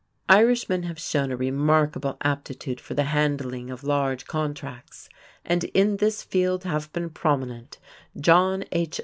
Irishmen have shown a remarkable aptitude for the handling of large contracts, and in this field have been prominent John H.